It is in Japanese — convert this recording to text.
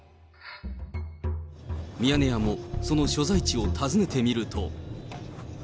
ミヤネ屋もその所在地を訪ねてみると。